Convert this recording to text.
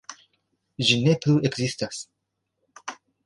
Ĝi ne plu ekzistas.